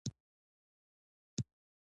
ایا ستاسو پایلې د منلو نه دي؟